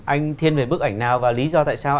anh thiên về bức ảnh nào và lý do tại sao